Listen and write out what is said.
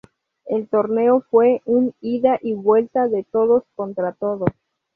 El torneo fue un "Ida y Vuelta" de Todos Contra Todos.